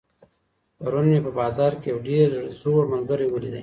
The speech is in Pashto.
پرون مي په بازار کي یو ډېر زوړ ملګری ولیدی.